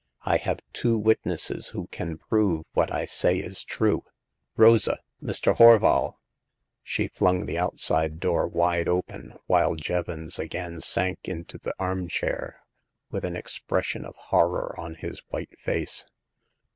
" I have two witnesses who can prove what I say is true. Rosa ! Mr. Horval !" She flung the outside door wide open, while Jevons again sank into the arm chair, with an ex pression of horror on his white face.